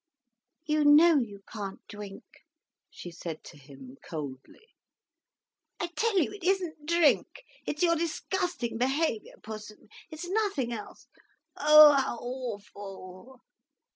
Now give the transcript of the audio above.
"You know you can't drink," she said to him, coldly. "I tell you it isn't drink—it's your disgusting behaviour, Pussum, it's nothing else. Oh, how awful!